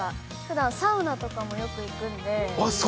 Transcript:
ふだん、サウナとかもよく行くので。